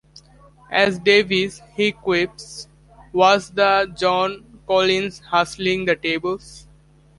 As Davis he quips: Was that Joan Collins hustling the tables?